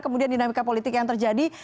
kemudian dinamika politik yang terjadi